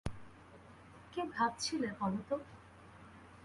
কী ভাবছিলে বলো তো?